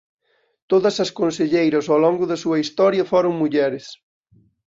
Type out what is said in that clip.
Todas as conselleiras ao longo da súa historia foron mulleres.